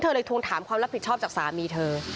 เลยทวงถามความรับผิดชอบจากสามีเธอ